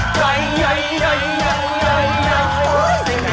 ถ้าแพ้เธอมากก็ได้เวลา